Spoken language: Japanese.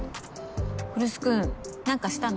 来栖君何かしたの？